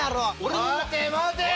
待て待て！